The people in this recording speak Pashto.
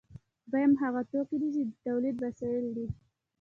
دویم هغه توکي دي چې د تولید وسایل دي.